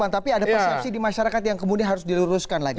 tapi ada persepsi di masyarakat yang kemudian harus diluruskan lagi